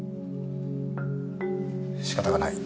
仕方がない。